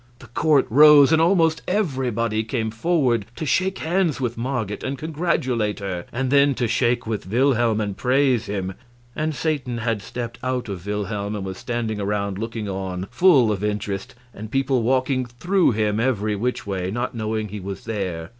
The court rose, and almost everybody came forward to shake hands with Marget and congratulate her, and then to shake with Wilhelm and praise him; and Satan had stepped out of Wilhelm and was standing around looking on full of interest, and people walking through him every which way, not knowing he was there.